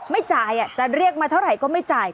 ไม่จ่ายจะเรียกมาเท่าไหร่ก็ไม่จ่าย